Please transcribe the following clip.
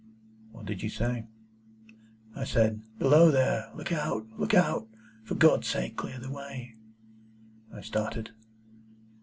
"What did you say?" "I said, 'Below there! Look out! Look out! For God's sake, clear the way!'" I started.